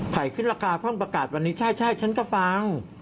ขึ้นราคาพ่นประกาศวันนี้ใช่ฉันก็ฟัง